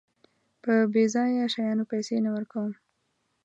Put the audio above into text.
په بېځايه شيانو پيسې نه ورکوم.